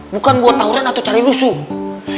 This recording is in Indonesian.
bukan buat tauran atau cari lusuh